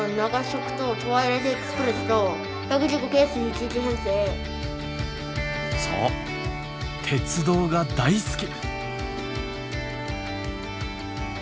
これねそう鉄道が大好き！